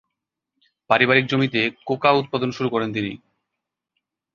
পারিবারিক জমিতে কোকা উৎপাদন শুরু করেন তিনি।